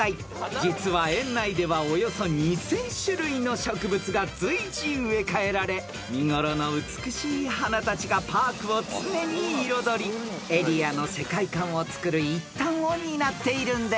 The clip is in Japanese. ［実は園内ではおよそ２，０００種類の植物が随時植え替えられ見頃の美しい花たちがパークを常に彩りエリアの世界観をつくる一端を担っているんです］